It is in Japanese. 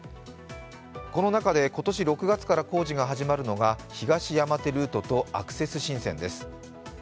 この中で今年６月から工事が始まるのが東山手ルートとアクセス新線です。